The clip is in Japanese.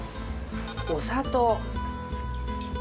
お砂糖。